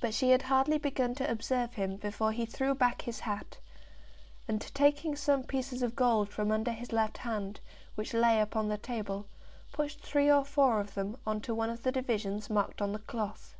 But she had hardly begun to observe him before he threw back his hat, and taking some pieces of gold from under his left hand, which lay upon the table, pushed three or four of them on to one of the divisions marked on the cloth.